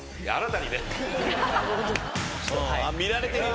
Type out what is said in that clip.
・見られてるよ。